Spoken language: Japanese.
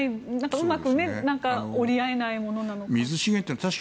うまく折り合えないものなのでしょうか。